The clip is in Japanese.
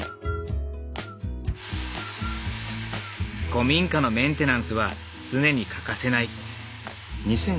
古民家のメンテナンスは常に欠かせない。